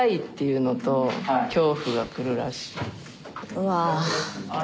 うわ。